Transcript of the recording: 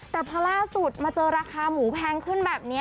แต่พอล่าสุดมาเจอราคาหมูแพงขึ้นแบบนี้